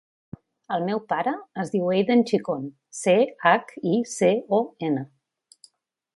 El meu pare es diu Eiden Chicon: ce, hac, i, ce, o, ena.